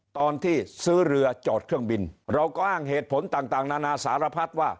ตอนที่ซื้อเรือจอดเครื่องบินเราก็อ้างเหตุผลต่างนานาสารพัดว่า